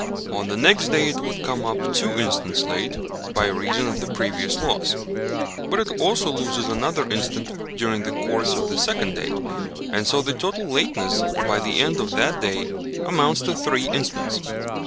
On the next day it would come up two instants late by reason of the previous loss; but it also loses another instant during the course of the second day, and so the total lateness by the end of that day amounts to three instants.